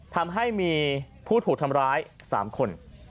ทำให้มีผู้ถูกทำร้าย๓คน